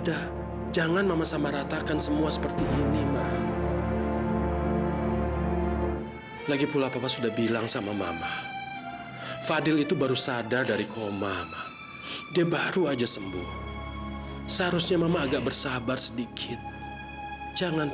dan mereka bilang mereka tidak diizinkan oleh kamu untuk masuk ke sini